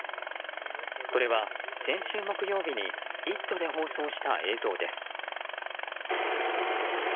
これは先週木曜日に「イット！」で放送した映像です。